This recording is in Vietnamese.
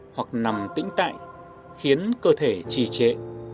hoặc nằm tĩnh tại khiến cơ thể trì trệ